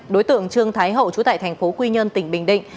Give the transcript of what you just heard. đối tượng trương thái hậu chú tại thành phố quy nhơn tỉnh bình định